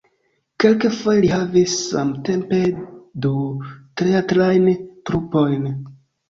Kelkfoje li havis samtempe du teatrajn trupojn.